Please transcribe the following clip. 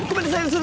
す